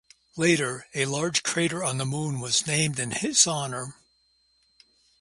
Later, a large crater on the Moon was named in his honor.